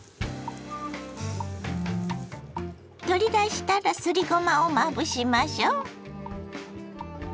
取り出したらすりごまをまぶしましょ。